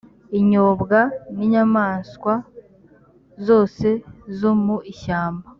inyobwa n inyamaswa zose zo mu ishyamba